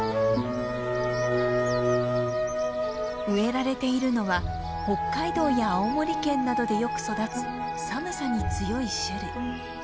植えられているのは北海道や青森県などでよく育つ寒さに強い種類。